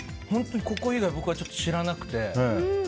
ここ以外、僕は知らなくて。